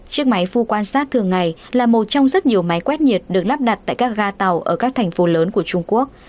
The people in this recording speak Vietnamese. chiếc máy phun quan sát thường ngày là một trong rất nhiều máy quét nhiệt được lắp đặt tại các ga tàu ở các thành phố lớn của trung quốc